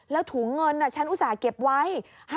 แล้วถุงเงินฉันอุตส่าห์เก็บไว้